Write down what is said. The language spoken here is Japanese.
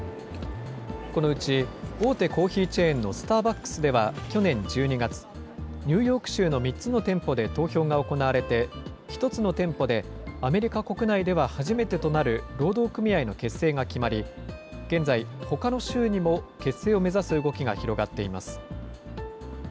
このうち、大手コーヒーチェーンのスターバックスでは去年１２月、ニューヨーク州の３つの店舗で投票が行われて、１つの店舗でアメリカ国内では初めてとなる労働組合の結成が決まり、現在、ほかの州にも結成を目指す動きが広がっています。